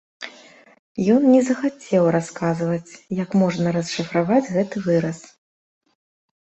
Ён не захацеў расказваць, як можна расшыфраваць гэты выраз.